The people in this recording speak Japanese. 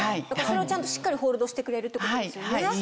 それをしっかりホールドしてくれるってことですよね。